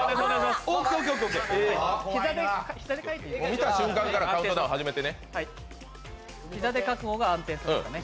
見た瞬間からカウントダウン始めてね。